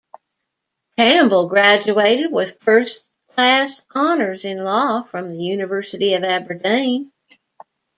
Campbell graduated with First Class Honours in Law from the University of Aberdeen.